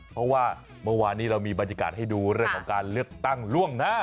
เพราะว่าเมื่อวานนี้เรามีบรรยากาศให้ดูเรื่องของการเลือกตั้งล่วงหน้า